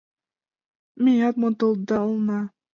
Меат модылдална.